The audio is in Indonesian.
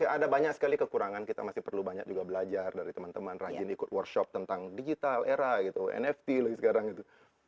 ada banyak sekali kekurangan kita masih perlu banyak juga belajar dari teman teman rajin ikut workshop tentang digital era gitu nft lagi sekarang gitu